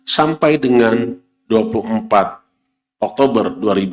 sampai dengan dua puluh empat oktober dua ribu tiga